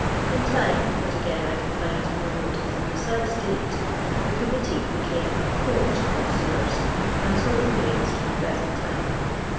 In time, but ai:ain I can find *no note of the pre cise date, the CommitUc became a Coui t of Sew.?r», anil so it remains to the present time.